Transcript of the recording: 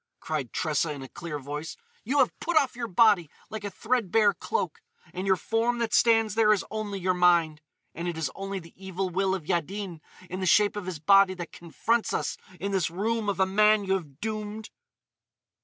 cried Tressa in a clear voice, "you have put off your body like a threadbare cloak, and your form that stands there is only your mind! And it is only the evil will of Yaddin in the shape of his body that confronts us in this room of a man you have doomed!"